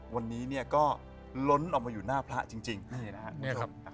วันนี้เนี่ยก็ล้นออกมาอยู่หน้าพระจริงนี่นะครับ